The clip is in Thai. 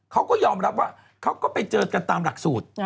เขาก็ยอมรับว่าเขาก็ไปเจอกันตามหลักสูตร